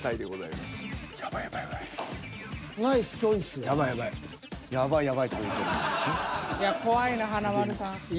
いや怖いな華丸さん。